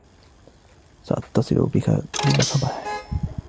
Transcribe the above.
سأتصل بِكَ كُل صباح.